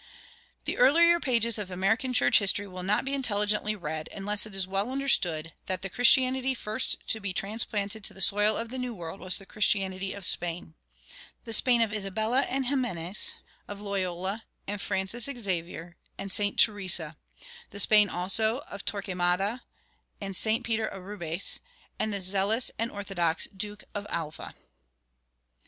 The earlier pages of American church history will not be intelligently read unless it is well understood that the Christianity first to be transplanted to the soil of the New World was the Christianity of Spain the Spain of Isabella and Ximenes, of Loyola and Francis Xavier and St. Theresa, the Spain also of Torquemada and St. Peter Arbues and the zealous and orthodox Duke of Alva.